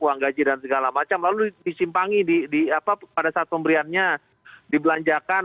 uang gaji dan segala macam lalu disimpangi pada saat pemberiannya dibelanjakan